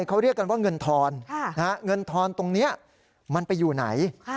เขาเรียกกันว่าเงินทอนเงินทอนตรงนี้มันไปอยู่ไหน